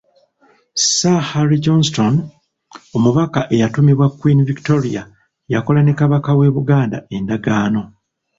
Sir Harry Johnston omubaka eyatumibwa Queen Victoria yakola ne Kabaka w'e Buganda endagaano.